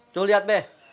tuh liat be